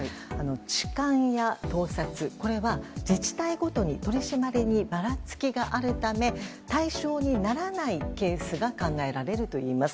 痴漢や盗撮は自治体ごとに取り締まりにばらつきがあるため対象にならないケースが考えられるといいます。